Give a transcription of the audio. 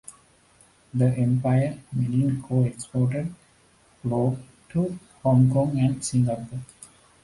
The Empire Milling Co exported flour to Hong Kong and Singapore.